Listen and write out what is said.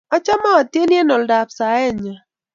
achame atieni eng' oldab saet nyo